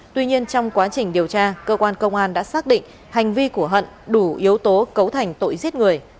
tuy nhiên trong quá trình điều tra cơ quan công an đã xác định hành vi của hận đủ yếu tố cấu thành tội giết người